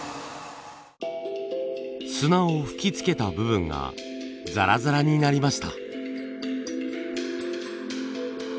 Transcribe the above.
砂を吹きつけた部分がザラザラになりました。